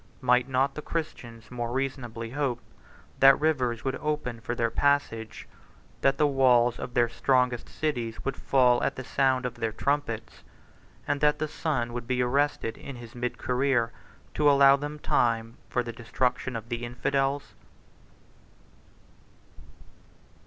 Might not the Christians more reasonably hope that the rivers would open for their passage; that the walls of their strongest cities would fall at the sound of their trumpets; and that the sun would be arrested in his mid career, to allow them time for the destruction of the infidels?